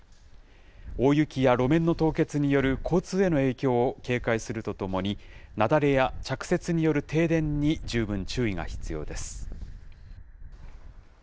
大雪や路面の凍結による交通への影響を警戒するとともに、雪崩や着雪による停電に十分注意が必要です。